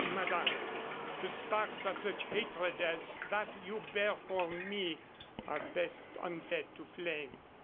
"Madame, the sparks of such hatred as that you bear for me are best unfed to flame.